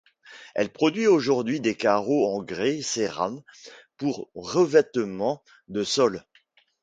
Elle produit aujourd'hui des carreaux en grès cérame pour revêtements de sols.